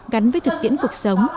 gắn với thực tiễn cuộc sống